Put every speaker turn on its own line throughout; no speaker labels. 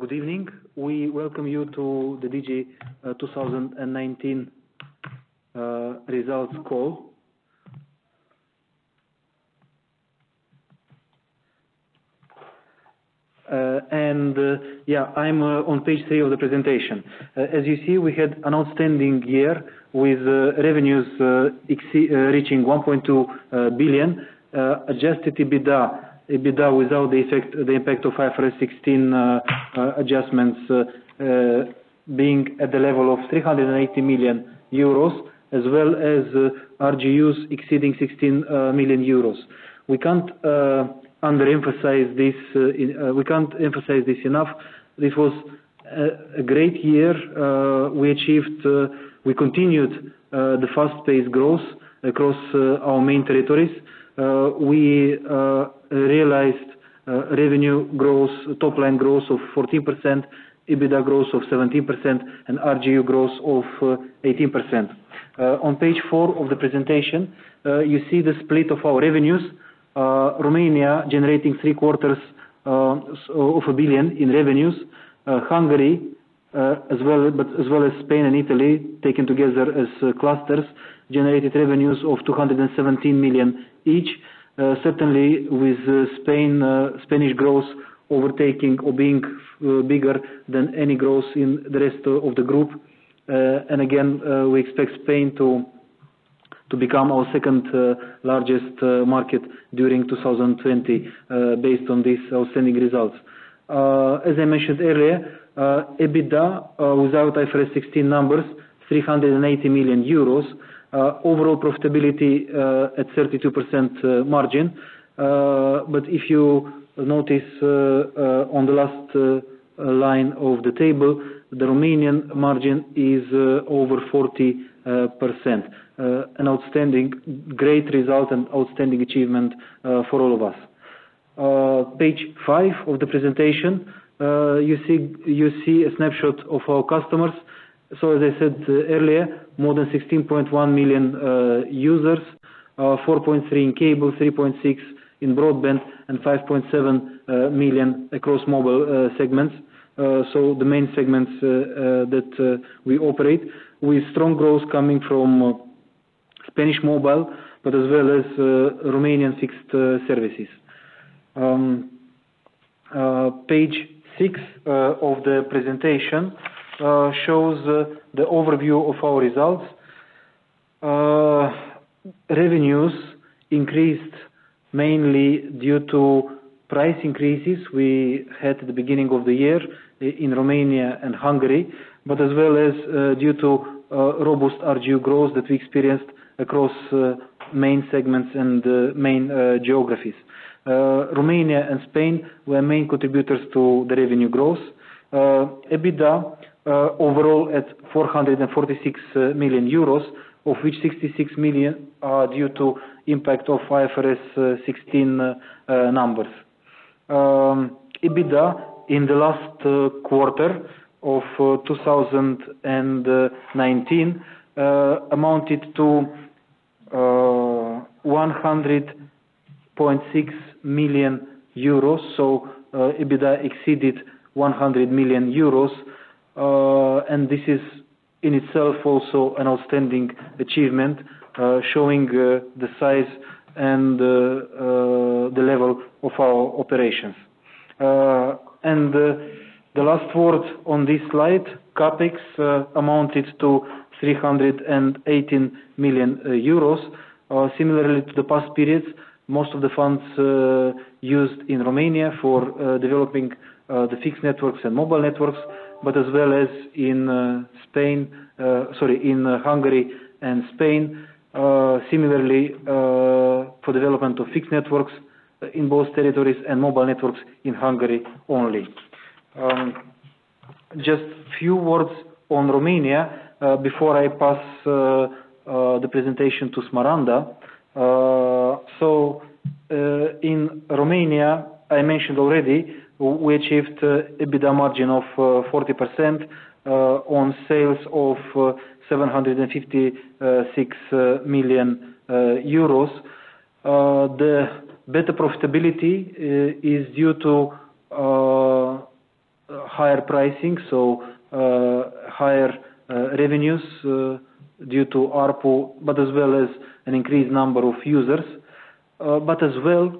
Good evening. We welcome you to the Digi 2019 results call. I'm on page three of the presentation. As you see, we had an outstanding year with revenues reaching 1.2 billion, adjusted EBITDA, without the impact of IFRS 16 adjustments, being at the level of 380 million euros, as well as RGUs exceeding 16 million. We can't emphasize this enough. This was a great year. We continued the fast-paced growth across our main territories. We realized revenue top line growth of 14%, EBITDA growth of 17%, and RGU growth of 18%. On page four of the presentation, you see the split of our revenues. Romania generating 750 million in revenues. Hungary, as well as Spain and Italy, taken together as clusters, generated revenues of 217 million each. Certainly with Spanish growth overtaking or being bigger than any growth in the rest of the group. Again, we expect Spain to become our second largest market during 2020, based on these outstanding results. As I mentioned earlier, EBITDA, without IFRS 16 numbers, 380 million euros. Overall profitability at 32% margin. If you notice on the last line of the table, the Romanian margin is over 40%, an outstanding great result, and outstanding achievement for all of us. Page five of the presentation, you see a snapshot of our customers. As I said earlier, more than 16.1 million users, 4.3 in cable, 3.6 in broadband, and 5.7 million across mobile segments. The main segments that we operate, with strong growth coming from Spanish mobile, but as well as Romanian fixed services. Page six of the presentation shows the overview of our results. Revenues increased mainly due to price increases we had at the beginning of the year in Romania and Hungary, but as well as due to robust RGU growth that we experienced across main segments and main geographies. Romania and Spain were main contributors to the revenue growth. EBITDA overall at 446 million euros, of which 66 million are due to impact of IFRS 16 numbers. EBITDA in the last quarter of 2019 amounted to 100.6 million euros. EBITDA exceeded 100 million euros. This is in itself also an outstanding achievement, showing the size and the level of our operations. The last word on this slide, CapEx amounted to 318 million euros. Similarly to the past periods, most of the funds used in Romania for developing the fixed networks and mobile networks, but as well as in Hungary and Spain. Similarly, for development of fixed networks in both territories and mobile networks in Hungary only. Just a few words on Romania before I pass the presentation to Smaranda. In Romania, I mentioned already, we achieved EBITDA margin of 40% on sales of 756 million euros. The better profitability is due to higher pricing, so higher revenues due to ARPU, but as well as an increased number of users.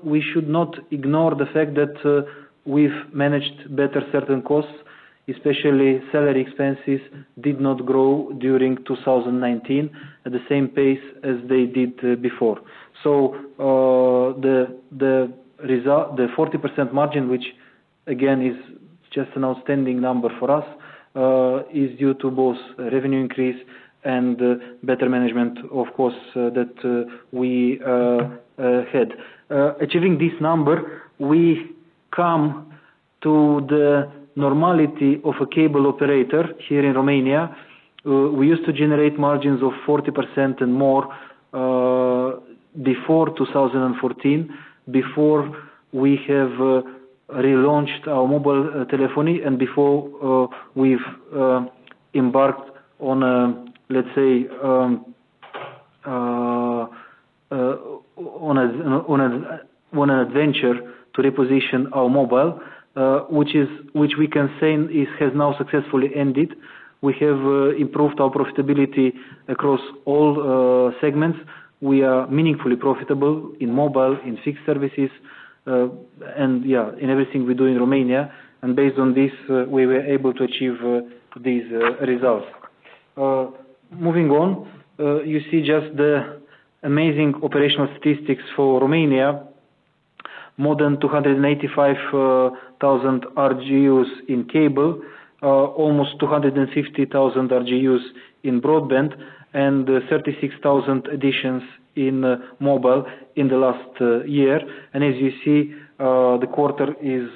We should not ignore the fact that we've managed better certain costs, especially salary expenses did not grow during 2019 at the same pace as they did before. The 40% margin, which again is just an outstanding number for us, is due to both revenue increase and better management, of course, that we had. Achieving this number, we come to the normality of a cable operator here in Romania. We used to generate margins of 40% and more, before 2014, before we have relaunched our mobile telephony and before we've embarked on, let's say, on an adventure to reposition our mobile, which we can say has now successfully ended. We have improved our profitability across all segments. We are meaningfully profitable in mobile, in fixed services, and in everything we do in Romania. Based on this, we were able to achieve these results. Moving on. You see just the amazing operational statistics for Romania. More than 285,000 RGUs in cable, almost 250,000 RGUs in broadband, and 36,000 additions in mobile in the last year. As you see, the quarter is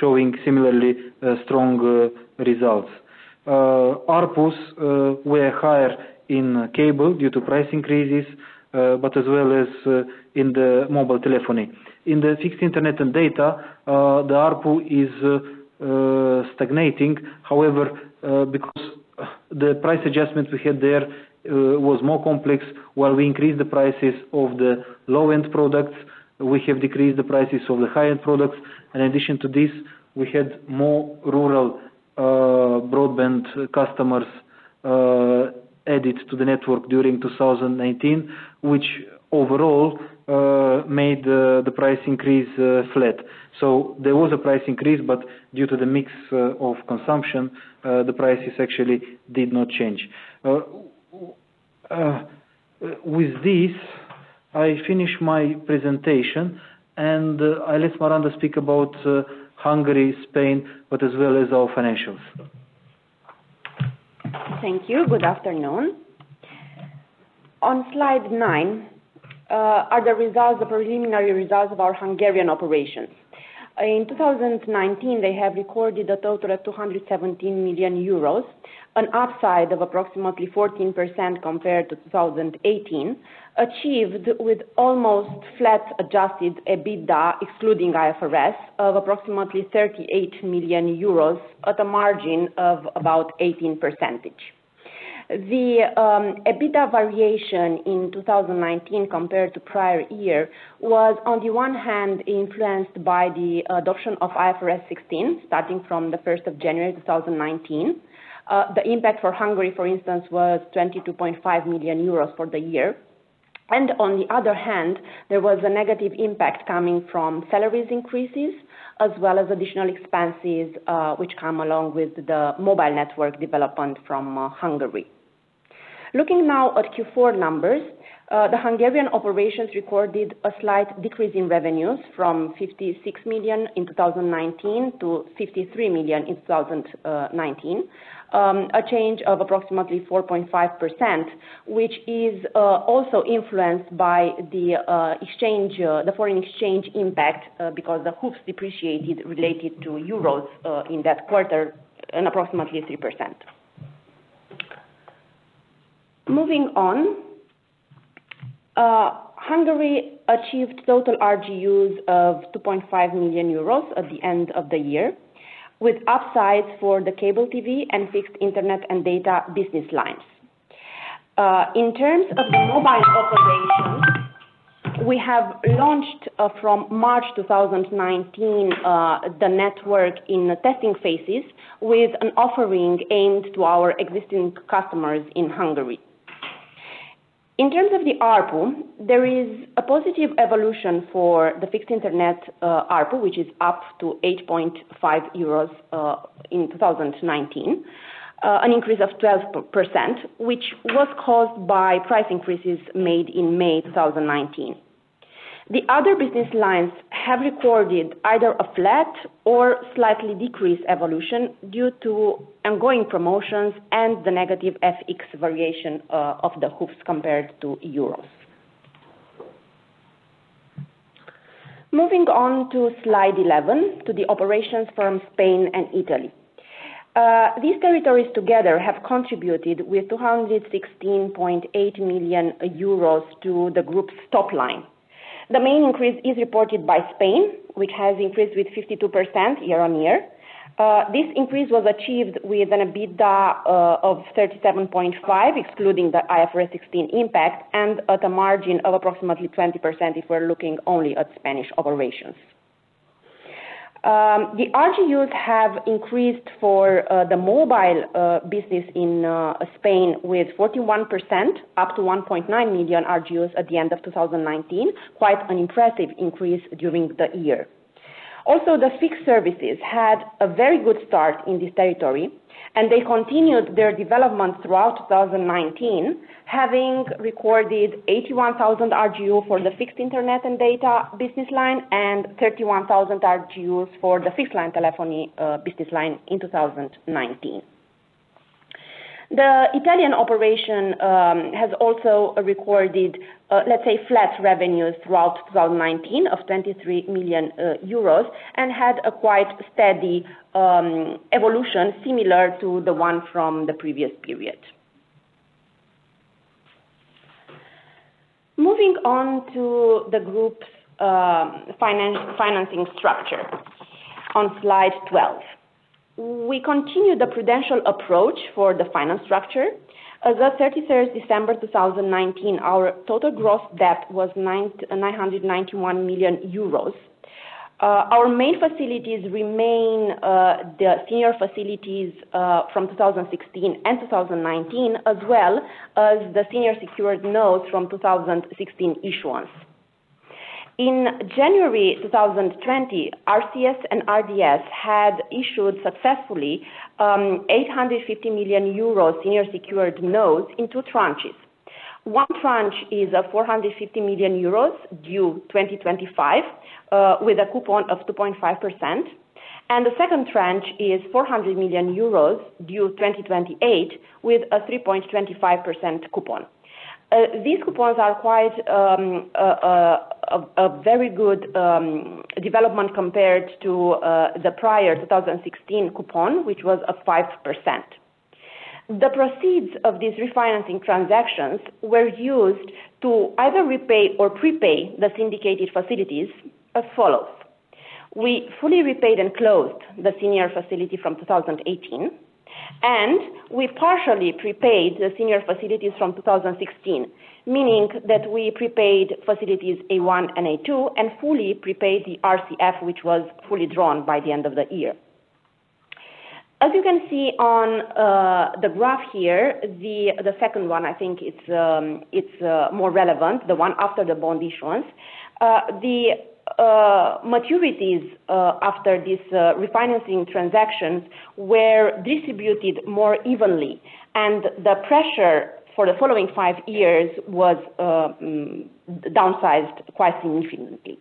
showing similarly strong results. ARPU were higher in cable due to price increases, but as well as in the mobile telephony. In the fixed internet and data, the ARPU is stagnating. However, because the price adjustments we had there was more complex, while we increased the prices of the low-end products, we have decreased the prices of the high-end products. In addition to this, we had more rural broadband customers added to the network during 2019, which overall made the price increase flat. There was a price increase, but due to the mix of consumption, the prices actually did not change. With this, I finish my presentation and I let Smaranda speak about Hungary, Spain, but as well as our financials.
Thank you. Good afternoon. On slide nine are the preliminary results of our Hungarian operations. In 2019, they have recorded a total of 217 million euros, an upside of approximately 14% compared to 2018, achieved with almost flat-adjusted EBITDA, excluding IFRS, of approximately 38 million euros at a margin of about 18%. The EBITDA variation in 2019 compared to prior year was, on the one hand, influenced by the adoption of IFRS 16, starting from the 1st of January 2019. The impact for Hungary, for instance, was 22.5 million euros for the year. On the other hand, there was a negative impact coming from salary increases, as well as additional expenses, which come along with the mobile network development from Hungary. Looking now at Q4 numbers. The Hungarian operations recorded a slight decrease in revenues from 56 million in 2019 to 53 million in 2019. A change of approximately 4.5%, which is also influenced by the foreign exchange impact because the forint depreciated relative to euros in that quarter approximately 3%. Moving on. Hungary achieved total RGUs of 2.5 million euros at the end of the year with upsides for the cable TV and fixed internet and data business lines. In terms of the mobile operations, we have launched in March 2019, the network in the testing phases with an offering aimed at our existing customers in Hungary. In terms of the ARPU, there is a positive evolution for the fixed internet ARPU, which is up to 8.5 euros in 2019. An increase of 12%, which was caused by price increases made in May 2019. The other business lines have recorded either a flat or slightly decreased evolution due to ongoing promotions and the negative FX variation of the forint compared to euros. Moving on to slide 11 to the operations from Spain and Italy. These territories together have contributed 216.8 million euros to the group's top line. The main increase is reported by Spain, which has increased 52% year-on-year. This increase was achieved with an EBITDA of 37.5 million, excluding the IFRS 16 impact, and at a margin of approximately 20%, if we're looking only at Spanish operations. The RGUs have increased for the mobile business in Spain 41% up to 1.9 million RGUs at the end of 2019, quite an impressive increase during the year. The fixed services had a very good start in this territory, and they continued their development throughout 2019, having recorded 81,000 RGUs for the Fixed Internet and data business line and 31,000 RGUs for the fixed-line telephony business line in 2019. The Italian operation has also recorded, let's say, flat revenues throughout 2019 of 23 million euros and had a quite steady evolution similar to the one from the previous period. Moving on to the group's financing structure. On slide 12. We continue the prudential approach for the finance structure. As of 31st December 2019, our total gross debt was 991 million euros. Our main facilities remain the senior facilities from 2016 and 2019, as well as the senior secured notes from 2016 issuance. In January 2020, RCS & RDS had issued successfully 850 million euro senior secured notes in two tranches. One tranche is 450 million euros due 2025, with a coupon of 2.5%, and the second tranche is 400 million euros due 2028 with a 3.25% coupon. These coupons are quite a very good development compared to the prior 2016 coupon, which was a 5%. The proceeds of these refinancing transactions were used to either repay or prepay the syndicated facilities as follows. We fully repaid and closed the senior facility from 2018, and we partially prepaid the senior facilities from 2016, meaning that we prepaid facilities A1 and A2 and fully prepaid the RCF, which was fully drawn by the end of the year. As you can see on the graph here, the second one, I think it's more relevant, the one after the bond issuance. The maturities after these refinancing transactions were distributed more evenly, and the pressure for the following five years was downsized quite significantly.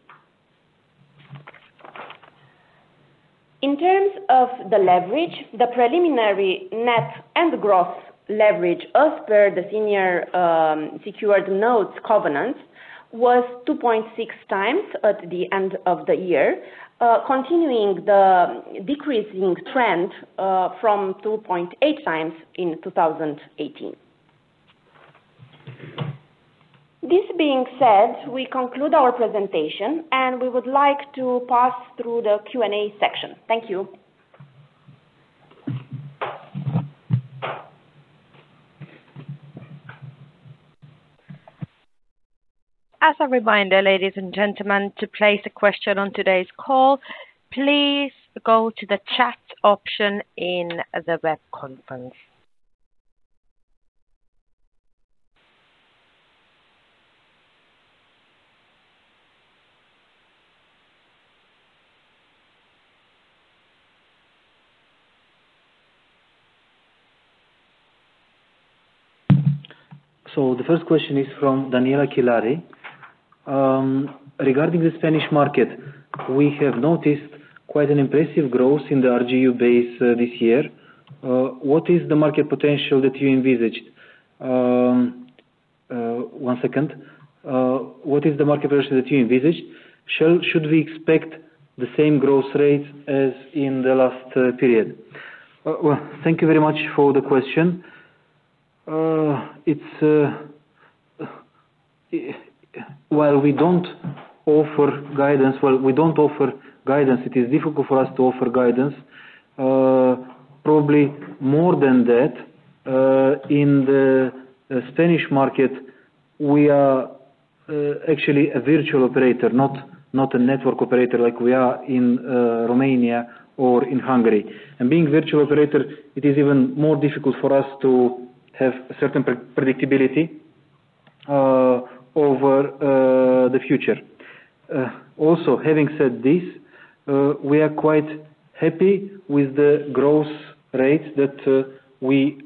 In terms of the leverage, the preliminary net and gross leverage as per the senior secured notes covenant was 2.6x at the end of the year, continuing the decreasing trend from 2.8x in 2018. This being said, we conclude our presentation, and we would like to pass through the Q&A section. Thank you.
As a reminder, ladies and gentlemen, to place a question on today's call, please go to the chat option in the web conference.
The first question is from Daniela Kilari. Regarding the Spanish market, we have noticed quite an impressive growth in the RGU base this year. What is the market potential that you envisage? One second. What is the market potential that you envisage? Should we expect the same growth rates as in the last period? Well, thank you very much for the question. While we don't offer guidance, it is difficult for us to offer guidance. Probably more than that, in the Spanish market, we are actually a virtual operator, not a network operator like we are in Romania or in Hungary. Being virtual operator, it is even more difficult for us to have certain predictability over the future. Also, having said this, we are quite happy with the growth rate that we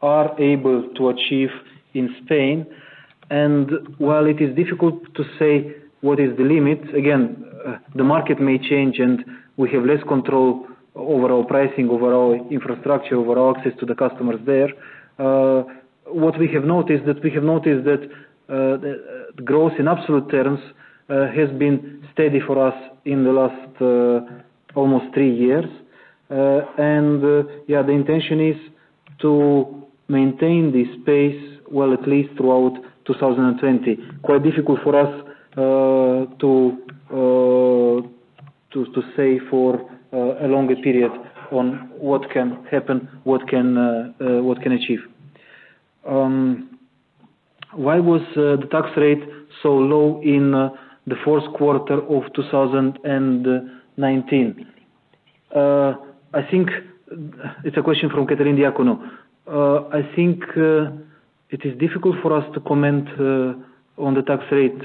are able to achieve in Spain. While it is difficult to say what is the limit, again, the market may change, and we have less control over our pricing, over our infrastructure, over our access to the customers there. What we have noticed that the growth in absolute terms has been steady for us in the last almost three years. Yeah, the intention is to maintain this pace, well, at least throughout 2020. Quite difficult for us to say for a longer period on what can happen, what can achieve. Why was the tax rate so low in the fourth quarter of 2019? It's a question from Catherine Diacono. I think it is difficult for us to comment on the tax rate.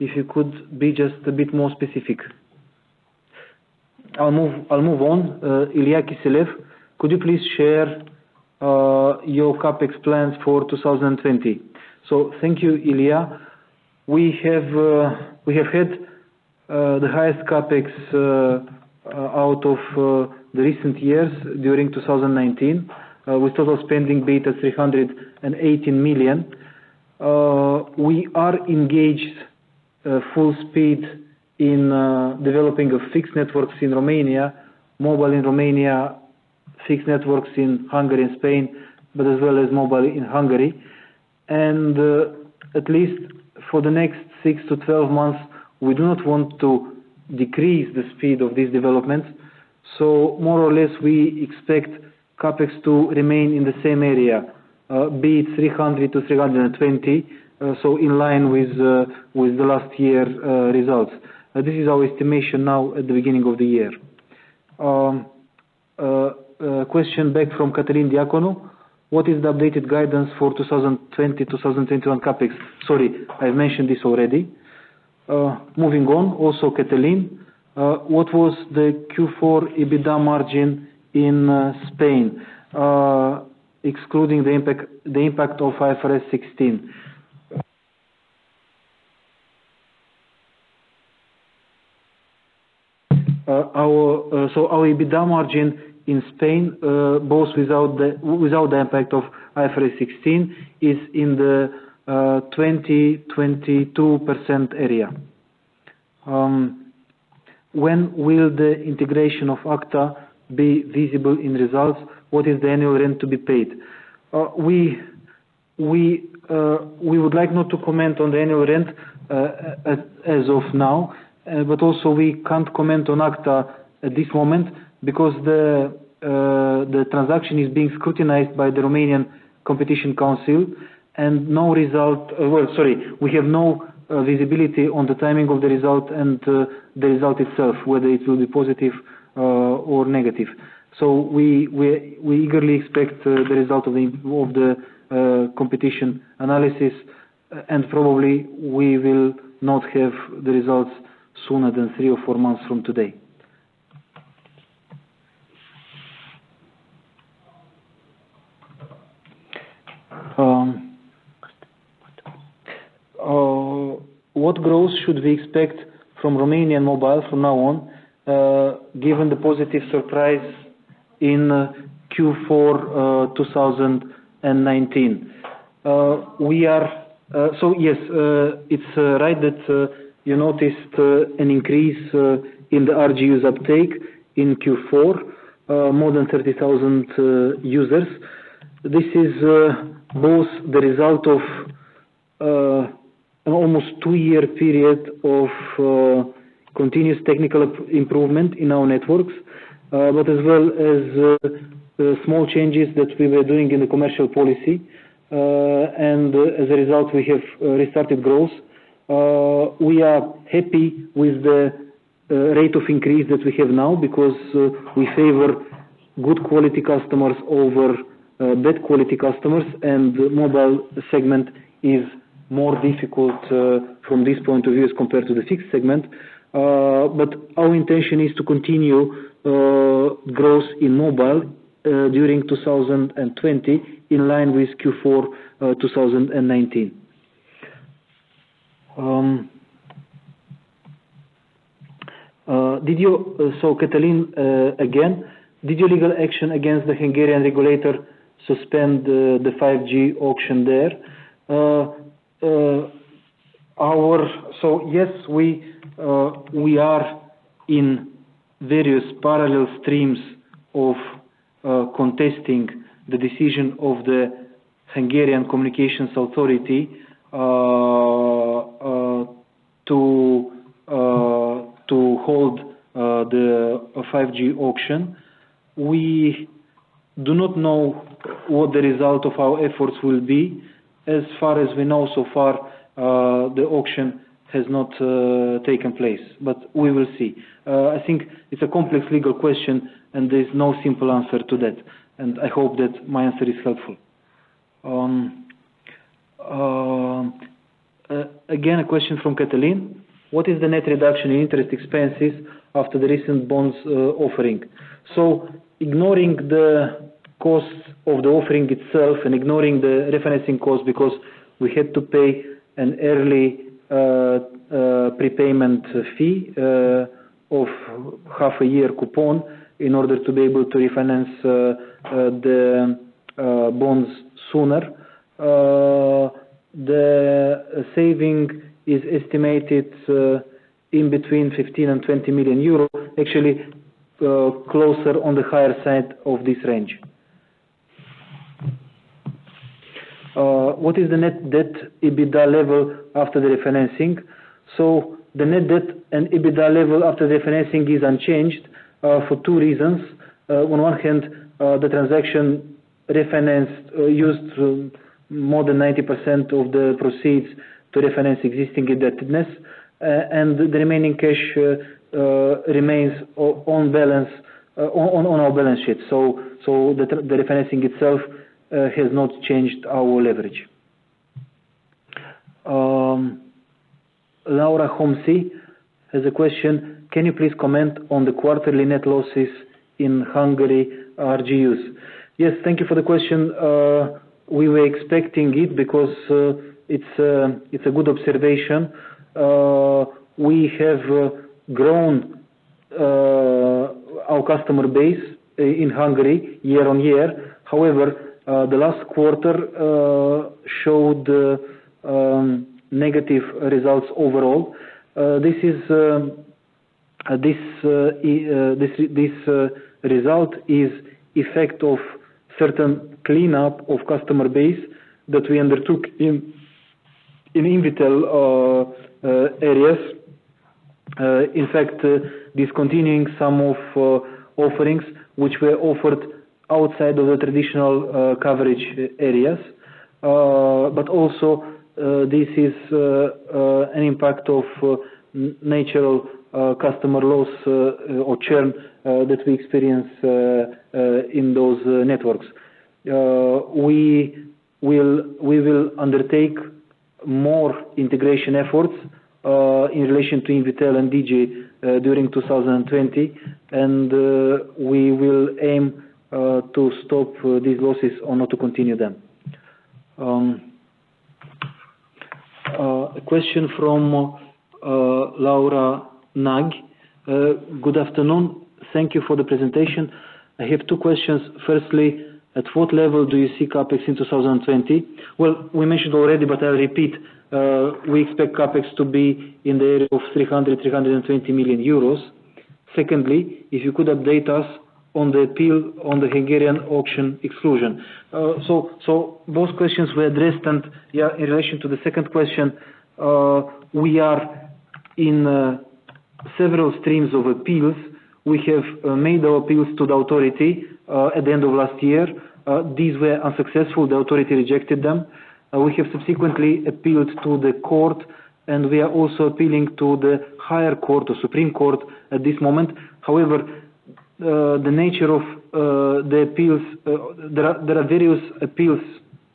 If you could be just a bit more specific. I'll move on. Ilya Kiselev, could you please share your CapEx plans for 2020? So thank you, Ilya. We have had the highest CapEx out of the recent years during 2019, with total spending being at 318 million. We are engaged full speed in developing of fixed networks in Romania, mobile in Romania, fixed networks in Hungary and Spain, but as well as mobile in Hungary. At least for the next 6-12 months, we do not want to decrease the speed of this development. More or less, we expect CapEx to remain in the same area, be it 300 million-320 million, so in line with the last year results. This is our estimation now at the beginning of the year. A question back from Catherine Diacono, "What is the updated guidance for 2020, 2021 CapEx?" Sorry, I've mentioned this already. Moving on. Also, Catalin, "What was the Q4 EBITDA margin in Spain, excluding the impact of IFRS 16?" Our EBITDA margin in Spain, both without the impact of IFRS 16, is in the 20%-22% area. "When will the integration of AKTA be visible in results? What is the annual rent to be paid?" We would like not to comment on the annual rent as of now. Also we can't comment on AKTA at this moment because the transaction is being scrutinized by the Romanian Competition Council and we have no visibility on the timing of the result and the result itself, whether it will be positive or negative. We eagerly expect the result of the competition analysis, and probably we will not have the results sooner than three or four months from today. What growth should we expect from Romanian Mobile from now on, given the positive surprise in Q4 2019?" Yes, it's right that you noticed an increase in the RGUs uptake in Q4, more than 30,000 users. This is both the result of an almost two-year period of continuous technical improvement in our networks and the small changes that we were doing in the commercial policy. As a result, we have restarted growth. We are happy with the rate of increase that we have now because we favor good quality customers over bad quality customers, and the mobile segment is more difficult from this point of view as compared to the fixed segment. Our intention is to continue growth in mobile during 2020, in line with Q4 2019. Catalin, again, "Did your legal action against the Hungarian regulator suspend the 5G auction there?" Yes, we are in various parallel streams of contesting the decision of the National Media and Infocommunications Authority to hold the 5G auction. We do not know what the result of our efforts will be. As far as we know so far, the auction has not taken place, but we will see. I think it's a complex legal question, and there's no simple answer to that, and I hope that my answer is helpful. Again, a question from Catalin. What is the net reduction in interest expenses after the recent bonds offering?" Ignoring the costs of the offering itself and ignoring the refinancing cost, because we had to pay an early prepayment fee of half a year coupon in order to be able to refinance the bonds sooner, the saving is estimated between 15 million and 20 million euros, actually, closer on the higher side of this range. "What is the net debt EBITDA level after the refinancing?" The net debt and EBITDA level after the refinancing is unchanged for two reasons. On one hand, the refinancing transaction used more than 90% of the proceeds to refinance existing indebtedness. The remaining cash remains on our balance sheet. The refinancing itself has not changed our leverage. Laura Homsey has a question, "Can you please comment on the quarterly net losses in Hungary RGUs?" Yes, thank you for the question. We were expecting it because it's a good observation. We have grown our customer base in Hungary year-on-year. However, the last quarter showed negative results overall. This result is the effect of certain cleanup of customer base that we undertook in Invitel areas. In fact, discontinuing some of the offerings which were offered outside of the traditional coverage areas. Also, this is an impact of natural customer loss or churn that we experience in those networks. We will undertake more integration efforts in relation to Invitel and Digi during 2020, and we will aim to stop these losses or not to continue them. A question from Laura Nag. Good afternoon. Thank you for the presentation. I have two questions. Firstly, at what level do you see CapEx in 2020? Well, we mentioned already, but I'll repeat, we expect CapEx to be in the area of 300 million-320 million euros. Secondly, if you could update us on the appeal on the Hungarian auction exclusion. Those questions were addressed and yeah, in relation to the second question, we are in several streams of appeals. We have made our appeals to the authority, at the end of last year. These were unsuccessful. The authority rejected them. We have subsequently appealed to the court, and we are also appealing to the higher court or supreme court at this moment. However, the nature of the appeals, there are various appeals,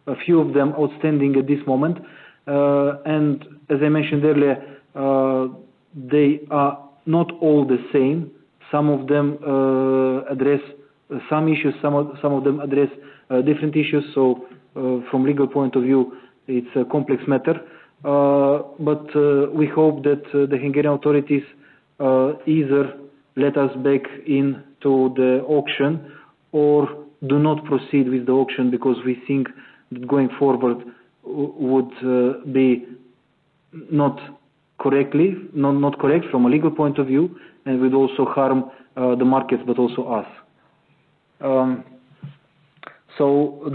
a few of them outstanding at this moment. As I mentioned earlier, they are not all the same. Some of them address some issues, some of them address different issues. From legal point of view, it's a complex matter. We hope that the Hungarian authorities, either let us back into the auction or do not proceed with the auction because we think going forward would be not correct from a legal point of view and would also harm the market, but also us. The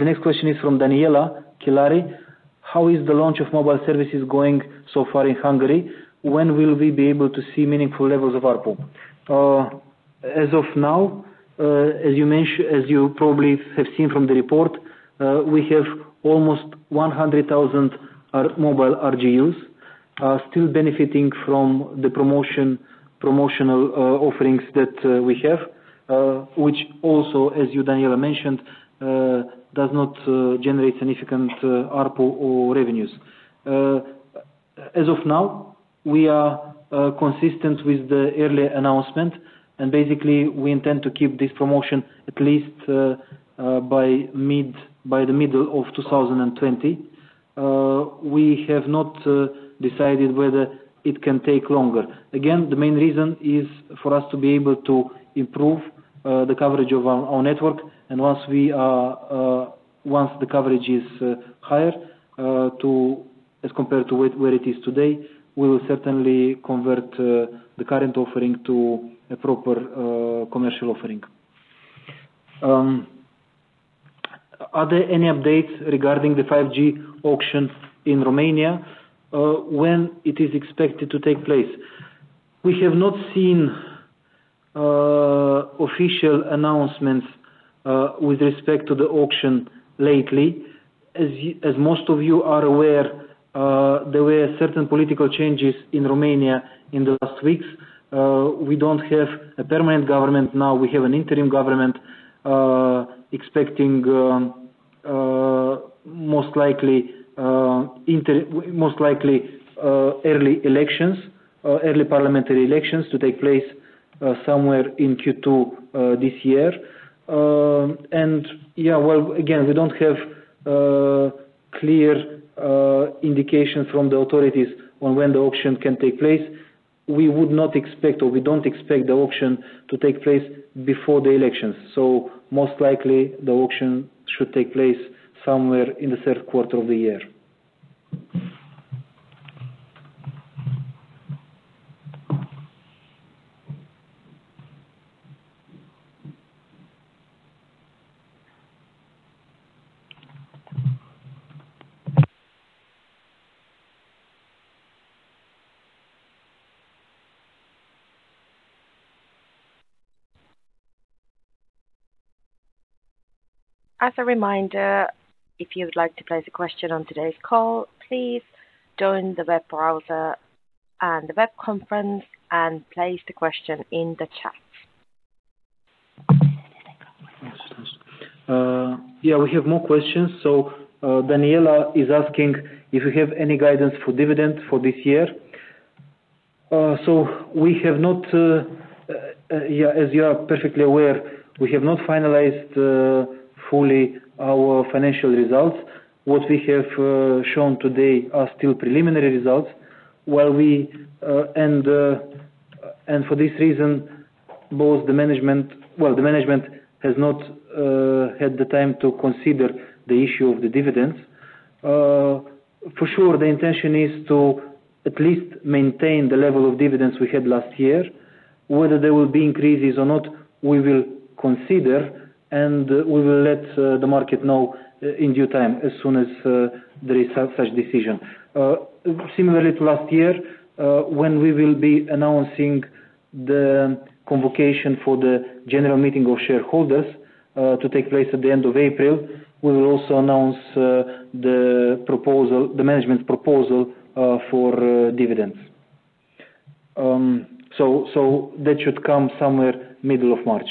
next question is from Daniela Kilari. How is the launch of mobile services going so far in Hungary? When will we be able to see meaningful levels of ARPU? As of now, as you probably have seen from the report, we have almost 100,000 mobile RGUs, still benefiting from the promotional offerings that we have, which also, as you Daniela mentioned, does not generate significant ARPU or revenues. As of now, we are consistent with the earlier announcement, and basically, we intend to keep this promotion at least by the middle of 2020. We have not decided whether it can take longer. Again, the main reason is for us to be able to improve the coverage of our network. Once the coverage is higher as compared to where it is today, we will certainly convert the current offering to a proper commercial offering. Are there any updates regarding the 5G auction in Romania? When it is expected to take place? We have not seen official announcements with respect to the auction lately. As most of you are aware, there were certain political changes in Romania in the last weeks. We don't have a permanent government now. We have an interim government, expecting most likely early parliamentary elections to take place somewhere in Q2 this year. Yeah, well, again, we don't have clear indication from the authorities on when the auction can take place. We would not expect or we don't expect the auction to take place before the elections. Most likely the auction should take place somewhere in the third quarter of the year.
As a reminder, if you would like to place a question on today's call, please join the web browser and the web conference and place the question in the chat.
Yeah, we have more questions. Daniela is asking if we have any guidance for dividend for this year. We have not, as you are perfectly aware, we have not finalized fully our financial results. What we have shown today are still preliminary results. For this reason, well, the management has not had the time to consider the issue of the dividends. For sure, the intention is to at least maintain the level of dividends we had last year. Whether there will be increases or not, we will consider, and we will let the market know in due time as soon as there is such decision. Similarly to last year, when we will be announcing the convocation for the general meeting of shareholders to take place at the end of April, we will also announce the management proposal for dividends. That should come somewhere middle of March.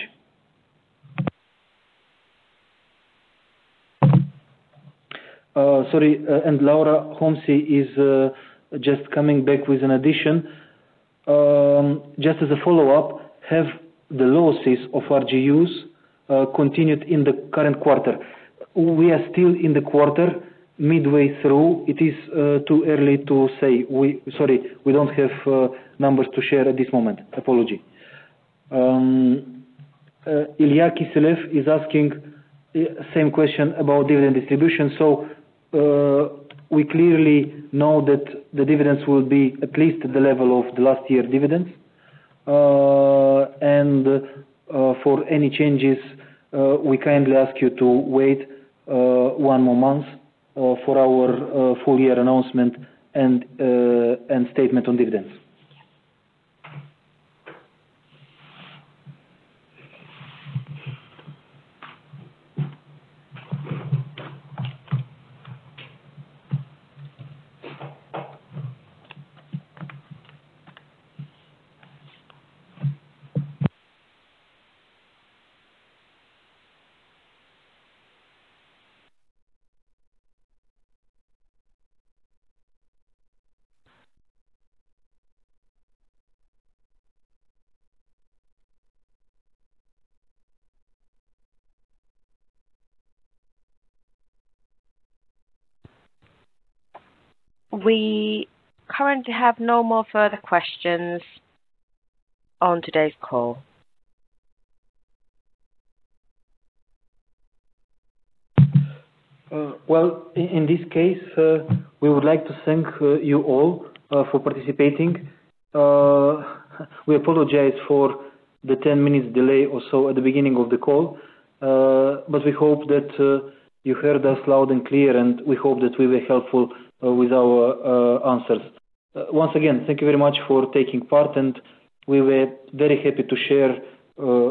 Sorry, Laura Homsey is just coming back with an addition. Just as a follow-up, have the losses of RGUs continued in the current quarter? We are still in the quarter, midway through. It is too early to say. Sorry, we don't have numbers to share at this moment. Apology. Ilya Kiselev is asking same question about dividend distribution. We clearly know that the dividends will be at least the level of the last year dividends. For any changes, we kindly ask you to wait one more month for our full year announcement and statement on dividends.
We currently have no more further questions on today's call.
Well, in this case, we would like to thank you all for participating. We apologize for the 10 minutes delay or so at the beginning of the call. We hope that you heard us loud and clear, and we hope that we were helpful with our answers. Once again, thank you very much for taking part, and we were very happy to share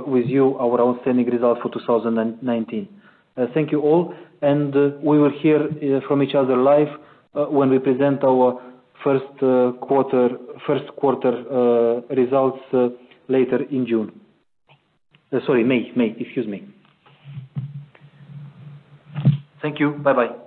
with you our outstanding result for 2019. Thank you all, and we will hear from each other live when we present our first quarter results later in June. Sorry, May. Excuse me. Thank you. Bye-bye.